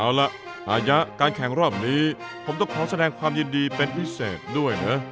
เอาล่ะอายะการแข่งรอบนี้ผมต้องขอแสดงความยินดีเป็นพิเศษด้วยนะ